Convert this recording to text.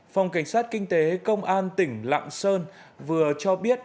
phòng cảnh sát kinh tế công an tỉnh lạng sơn vừa cho biết